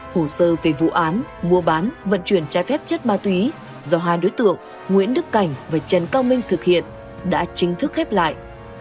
hồ sơ về vụ án mua bán vận chuyển trái phép chất ma túy do hai đối tượng nguyễn đức cảnh và trần cao minh thực hiện đã chính thức khép lại